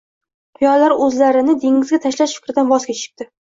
quyonlar o’zlarini dengizga tashlash fikridan voz kechishibdi